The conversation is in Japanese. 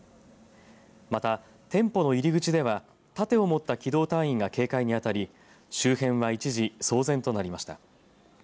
また、店舗の入り口では盾を持った機動隊員が警戒に当たり周辺は一時騒然となりました。